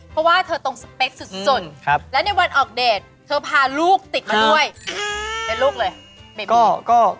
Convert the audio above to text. เพราะว่าเธอตรงสเปคสุดและในวันออกเดทเธอพาลูกติดมาด้วยเป็นลูกเลย